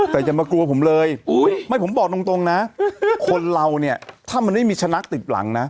แต่อย่ามากลัวผมเลยไม่ผมบอกตรงนะคนเราเนี่ยถ้ามันไม่มีชนะติดหลังนะ